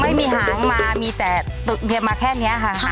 ไม่มีหางมามีแต่มาแค่เนี้ยค่ะ